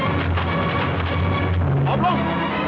พร้อมแล้ว